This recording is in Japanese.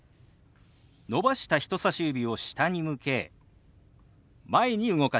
伸ばした人さし指を下に向け前に動かします。